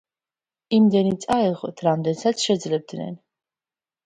იმდენი წაეღოთ, რამდენსაც შეძლებდნენ.